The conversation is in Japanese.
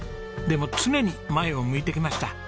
でも常に前を向いてきました。